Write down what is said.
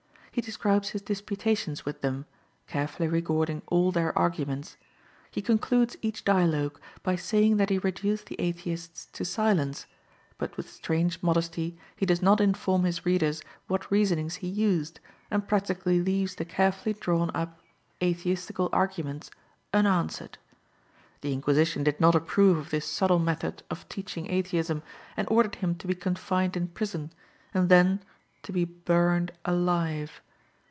He describes his disputations with them, carefully recording all their arguments; he concludes each dialogue by saying that he reduced the Atheists to silence, but with strange modesty he does not inform his readers what reasonings he used, and practically leaves the carefully drawn up atheistical arguments unanswered. The Inquisition did not approve of this subtle method of teaching Atheism, and ordered him to be confined in prison, and then to be burned alive.